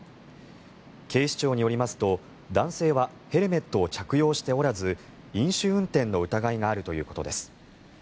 警視庁によりますと、男性はヘルメットを着用しておらず飲酒運転の疑いがあるということです。